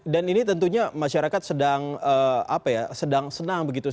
dan ini tentunya masyarakat sedang apa ya sedang senang begitu